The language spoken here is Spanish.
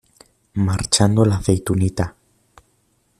marchando la aceitunita.